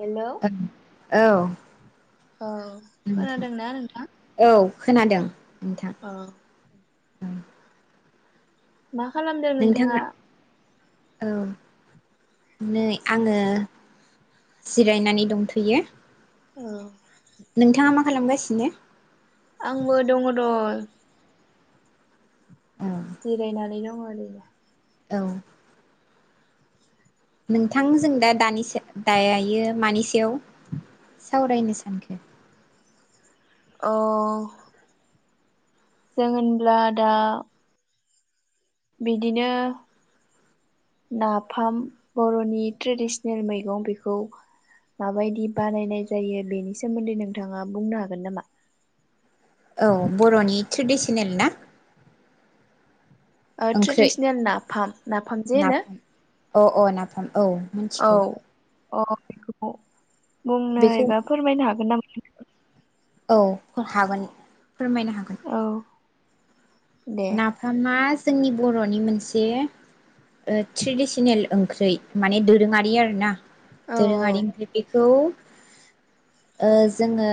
Hello औ । औ खोनादोंना नोंथां? औ खोनादों। नोंथां। औ उम। मा खालामदों नोंथाङा? औ नै आङो जिरायनानै दंथयो।। औ नोंथाङा मा खालामगासिनो? आंबो दङ द औ जिरायनानै दं आरोैनो। औ । नोंथां जों दा-दानिसो दायो मानि सायाव सावरायनो सानखो? ओ? जों होनब्ला दा बिदिनो नाफाम बर'नि ट्रेडिसनेल मैगं बेखौ माबायदि बानायनाय जायो बेनि सोमोन्दै नोंथाङा बुंनो हागोन नामा? औ बर'नि ट्रेडिसनेल ना? ओ ओंख्रि ट्रेडिसनेल नाफाम नाफामजे होनो । नाफाम अ अ नाफाम । औ मोनथिगौ अ [unintelligible] बुंनो बेखौ एबा फोरमायनो हागोन नामा? औ ह-हागोन फोरमायनो हागोन औ दे नाफामना जोंनि बरनि मोनसे ट्रेडिसनेल ओंख्रै माने दोरोङारि आरो ना औ दोरोङारि ओंख्रि बेखौ ओ जोङो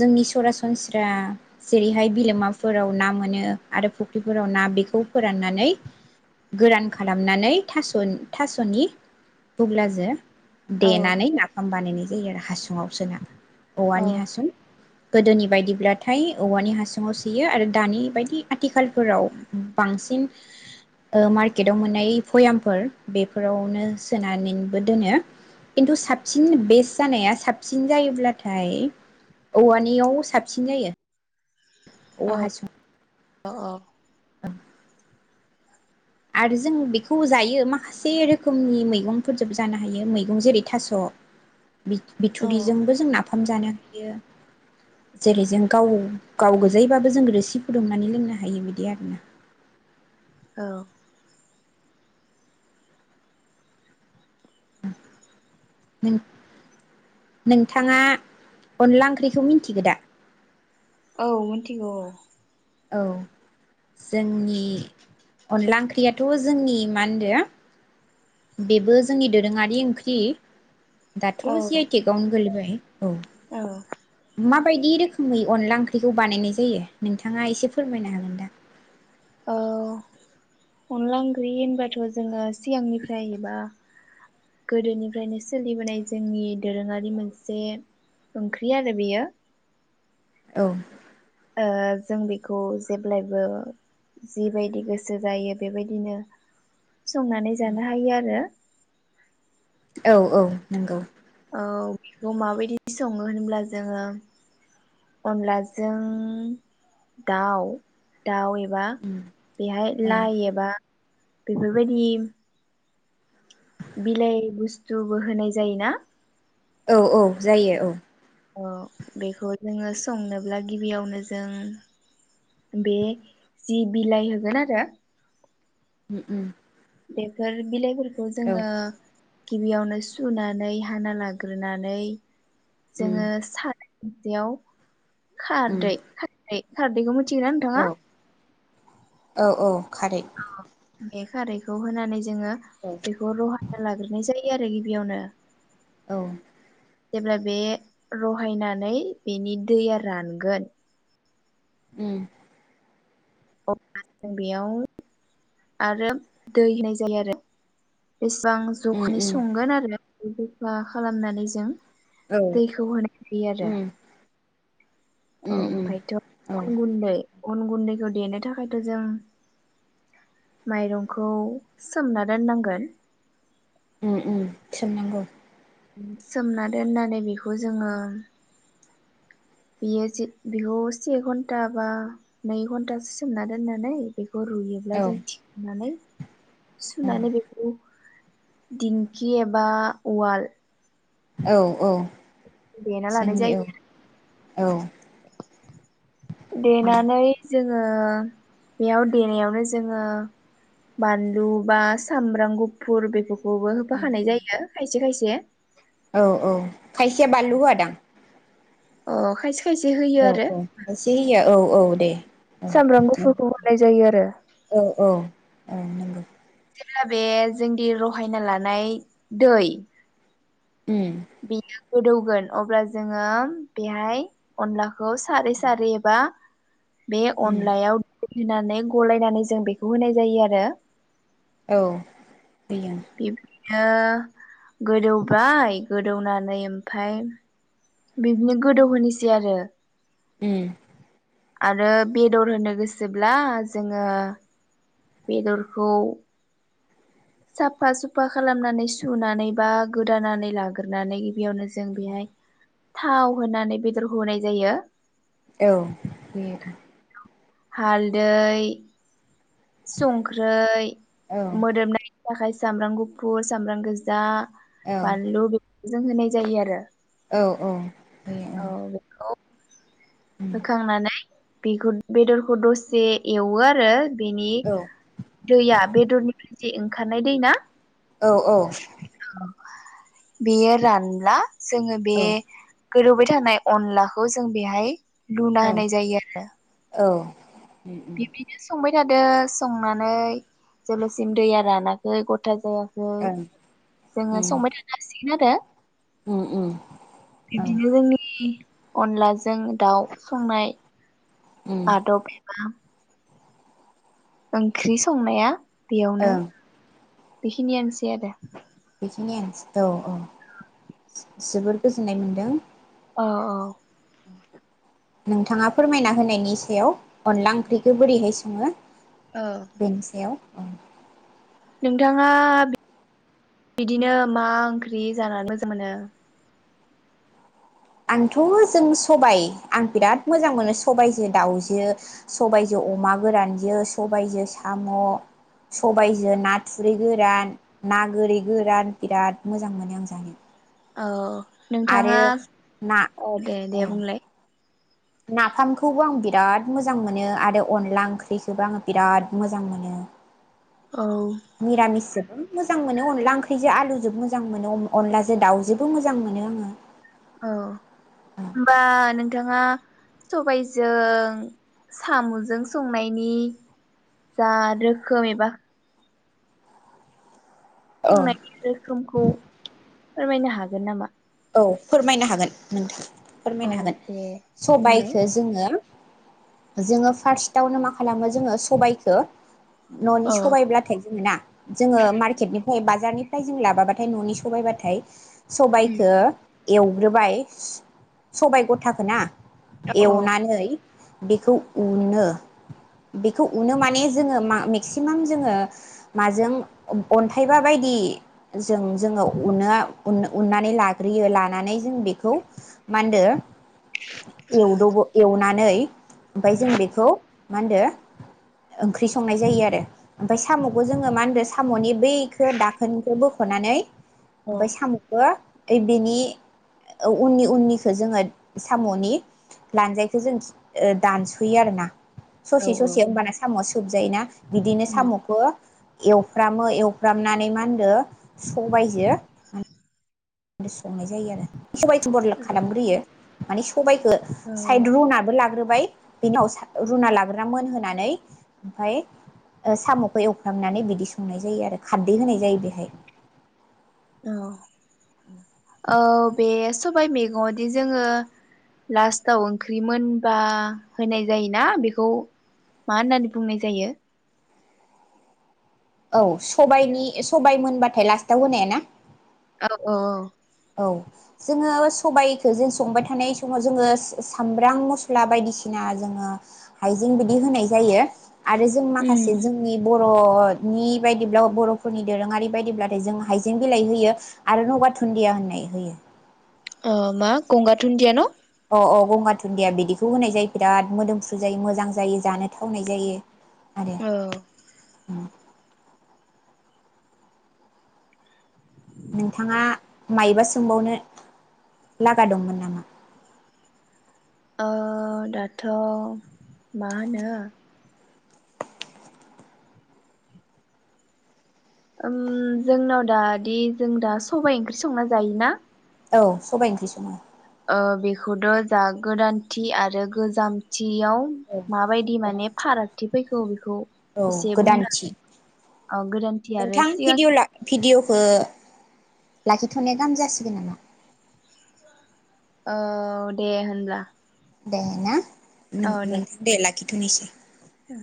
जोंनि सरासनस्रा जेरैहाय बिलोमाफोराव ना मोनो आरो फुख्रिफोराव ना बेखौ फोराननानै गोरान खालामनानै थास'नि थास'नि बुब्लाजो औ देनानै नाफाम बानायनो जा यो हासुङाव सोना औ औवानि हासुं गोदोनि बायदिब्लाथाय औवानि हासुङाव सोयो आरो दानि बायदि आथिखालफोराव बांसिन ओ मार्केटाव मोननाय भयामफोर बेफोरावनो सोनानैबो दोनो खिन्थु साबसिन बेस्ट जानाया साबसिन जायोब्लाथाय औवानियाव साबसिन जायो औवा हासुं अ अ ओं आरो जों बेखौ जायो माखासे रोखोमनि मैगंफोरजोबो जानो हायो मैगं जेरै थास' बिथुरिजोंबो जों ना ओंखाम जानो हायो जेरै जों गाव गाव गोजायि बाबो जों रोसि फुदुंनानै लोंनो हायो बिदि आरोना औ नों नोंथाङा अनला ओंख्रिखौ मिथिगो दा? औ मोनथिगौ अ औ जोंनि अनला ओंख्रियाथ' जोंनि मा होनदो बेबो जोंनि दोरोङारि ओंख्रि दाथ' औ जि आइ टेग आवनो गोलैबाय औ औ माबायदि रो खोमै अनला ओंख्रिखौ बानायनाय जायो नोंथाङा एसे फोरमायनो हागोन दा? ओ अनला ओंख्रि होनबाथ' जोङो सिगांनिफ्राय एबा गोदोनिफ्रायनो सोलिबोनाय जोंनि दोरोङारि मोनसे ओंख्रि आरो बेयो औ ओ जों बेखौ जेब्लायबो जिबायदि गोसो जायो बेबायदिनो संनानै जानो हायो आरो औ औ नंगौ औ बेखौ माबायदि सङो होनब्ला जोङो अनलाजों दाउ दाउ ए बा बेहाय औ लाइ एबा बेफोरबायदि बिलाइ बुस्थुबो होनाय जायोना औ औ जायो औ औ बेखौ जोङो संनोब्ला गिबियावनो जों बे जि बिलाइ होगोन आरो उम उम बेफोर बिलाइफोर खौ जोङो गिबियावनो सुनानै हाना लाग्रोनानै जोङो सा जेयाव खारदै खारै खारदैखौ मो थियोना नोंथाङा? औ औ औ खारै बे खारैखौ होनानै जोङो औ बेखौ रहायना लाग्रोनाय जायो । आरो गिबियावनो औ जेब्ला बे रहायनानै बेनि दैया रानगोन उम अब्ला जों बेयाव आरो दै होनाय जायो आरो बेसेबां जखानि औ संगोन आरो [inaudible] खालामनानै जों दैखौ होनाय जायो आरो ओमफायथ' अन गुन्दै अनगुन्दै खो देनो थाखायथ जों माइरंखौ सोमना दोननांगोन उम उम सोमनांगौ । सोमना दोननानै बेखौ जोङो बेयो जे बेखौ से घन्टा बा नै घन्टासो सोमना दोननानै बे खौ रुयोब्ला औ जों थिखोनानै सुनानै बेखौ दिंकि एबा अवाल औ औ देना लानाय जोंनि औ जायो आरो औ देनानै जोङो बेयाव देनायावनो जोङो बानलु बा सामब्राम गुफुर बे खौबो होफाखानाय जायो खायसे खायसे जे औ औ खायसेया बानलु होआदां? अ खाय औ औ एसे होयो औ औ दे सामब्राम औ गुफुरखौ होननाय जायो आरो। औ औ औ नोंगौ। जेब्ला बे जोंनि रहायना लानाय दै उम। बेयो गोदौगोन अब्ला जोङो बेहाय अनला खौ सारै सारै एबा बे उम अनलायाव होनानै गलायनानै जों बेखौ होनाय जायो आरो। औ होयो। बियो गोदौबाय गोदौनानै ओमफाय बिदिनो गोदौहोनोसै आरो। उम। आरो बेदर होनो गोसोब्ला जोङो बेदरखौ साफा सुफा खालामनानै सुनानै बा गोदानानै लाग्रोनानै बेयावनो जों बेहाय थाव होनानै बेदरखौ होनाय जायो। औ होयो आरो। हालदै सुंख्रै औ मोदोमनायनि थाखाय सामब्राम गुफुर सामब्राम गोजा बानलु बे जों होनाय जायो आरो। औ औ होयो ओं। औ बेखौ होखांनानै बेखौ बेदरखौ दसे एवो आरो बेनि दैया बेदरनिफ्राय जे ओंखारनाय दै ना औ औ। बियो रानला । जोङो बे औ गोदौबाय थानाय अनलाखौ जों बेहाय लुना औ होनाय जायो आरो। उम उम बिदिनो संबाय थादो संनानै जेब्लासिम दैया रानाखै गथा जाया ओ जोङो संबाय थानो हांसिगोन खोनादो ओं उम उम ओं बिदिनो जोंनि अनलाजों दाउ संनाय उम आदबा ओंख्रि संनाया बेयावनो ओं बेखिनि आनोसै आरो। बेखिनियानोसै औ औ जोबोर गोजोननाय मोनदों। अ अ नोंथाङा फोरमायना होनायनि सायाव अनला ओंख्रिखौ बोरैहाय सङो। औ बेनि सायाव औ नोंथाङा बिदिनो मा ओंख्रि जानानै मोजां मोनो? आंथ' जों सबाय आं बिराद मोजां मोनो सबायजो दाउजो सबायजो अमा गोरानजो सबायजो साम सबायजो ना थुरि गोरान ना गोरि गोरान बिराद मोजां मोनो आं जानो। औ नोंथाङा आरो ना औ दे दे बुंलाय । नाफामखौबो आं बिराद मोजां मोनो आरो अनला ओंख्रिखौबो आङो बिराद मोजां मोनो। औ निरामिस जोबो मोजां मोनो अनला ओंख्रिजों आलुजों मोजां मोनो अनलाजों दाउजोबो मोजां मोनो आङो। औ होमबा नों नोंथाङा सबायजों सामजों संनायनि जा रोखोम एबा औ संनाय रोखोमखौ फोरमायनो हागोन नामा? औ फोरमायनो हागोन नोंथां। औ फोरमायनो हागोन दे बुंलाय सबाइखो जोङो जोङो फार्स्टआवनो मा खालामो जोङो सबायखो ननि औ सबायब्लाथाय जोङो ना जोङो मार्केटनिफ्राय बाजार निफ्राय जों लाबाबाथाय न'नि सबायबाथाय उम हो एवग्रोबाय सबाय गथाखौ ना औ एवनानैै बेखौ उनो बेखौ उनो माने जोङो मेक्सिमाम जोङो माजों अन्थाइबा बायदि जों जोङो उनो उननानै लाग ग्रोयो लानानै जों बेखौ मानदो एवदबो एवनाय नै ओमफ्राय जों बेखौ मा होनदो ओंख्रि संनाय जायो आरो ओमफ्राय सामखौ जोङो मा होनदो सामनि बे खो दाखोनखौ बो खनानै औ ओमफ्राय सामखौ बेनि उननि उननिखौ जोङो सामनि लानजायखौ जों दानसयो आरोना औ ससे औ ससे होनबाना सामआ सोबजायो ना बिदिनो उम सामखौ एवफ्रामो एवफ्रामनानै मा होनदो सबायजो ओमफ्राय संनाय जायो आरो सबाइखौ थबर ला औ खालामग्रोयो मानि सबाइखौ साइद रनाबो लाग्रोबो फ्राय बे उनाव रुना लाग्राना मोनहोनानै ओमफ्राय सामखौ एवफ्रामनानै बिदि संनाय जायो आरो खारदै होनाय जायो बेहाय। औ औ बे सबायाइ मैगंङावदि जोङो लास्टाव ओंख्रि मोनबा होनाय जायोना बेखौ मा होननानै बुंनाय जायो? औ सबाइनि सबाइ मोनबाथाय लास्टाव होनाया ना? औ औ औ औ जोङो सबायखौ जों संबाय थानाय समाव जोङो सामब्राम मस्ला बायदिसिना जोङो हायजें बिदि होनाय जायो। आरो जों माखासे उम जोंनि बर बरनि बायदिब्ला बरफोरनि दोरोङारि बायदिब्लाथाय जों हाइजें बिलाइ होयो आरो गंगार दुन्दिया होयो [unintelligible] होयो अ मा गंगार दुन्दिया ना? अ अ गंगार थुुन्दिया बिदिखौ होनाय जायो बिराद मोदोमफ्रु जायो मोजां जायो जानो थावनाय जायो औ उम नोंथाङा मायबा सोंबावनो लागा दंमोन नामा? दाथमा होनो उम जोंनाव दादि जों दा सबायाइ ओंख्रि संना जायोना औ सबायाइ ओंख्रि सोङो ओ बेखौथ जा गोदानथि आरो गोजामथि याव औ माबायदि माने गोदानथि फारागथि फै औ औ गोदानथि औ [inaudible] गोदानथि आरो नोंथां सिगां भिडय ला भिडिय लाखिथनाया गाहाम जासिगोन नामा औ दे होनब्ला। देना। नों नों दे ला [inaudible] ए।